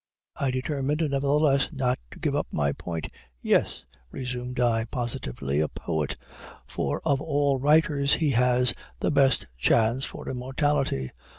I determined, nevertheless, not to give up my point. "Yes," resumed I, positively, "a poet; for of all writers he has the best chance for immortality.